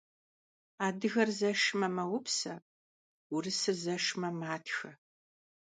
Adıger zeşşme, meupse, vurısır zeşşme, matxe.